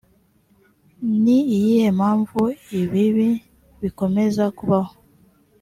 ni iyihe mpamvu ibibi bikomeza kubaho